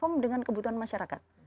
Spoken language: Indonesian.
berfungsi dengan kebutuhan masyarakat